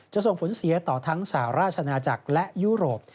ส่งผลเสียต่อทั้งสหราชนาจักรและยุโรป